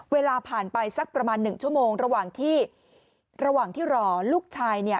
เวลาผ่านไปสักประมาณ๑ชั่วโมงระหว่างที่รอลูกชาย